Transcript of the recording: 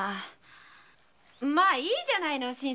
まいいじゃないの新さん。